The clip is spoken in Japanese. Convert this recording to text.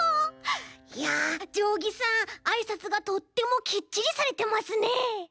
いやじょうぎさんあいさつがとってもキッチリされてますね。